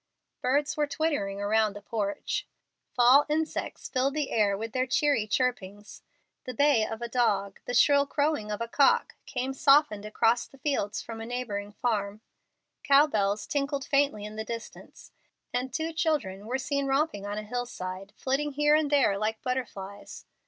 Birds were twittering around the porch. Fall insects filled the air with their cheery chirpings. The bay of a dog, the shrill crowing of a cock, came softened across the fields from a neighboring farm. Cow bells tinkled faintly in the distance, and two children were seen romping on a hillside, flitting here and there like butterflies.